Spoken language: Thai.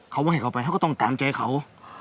เขาว่าให้เขาไปเขาก็ต้องตามใจเขา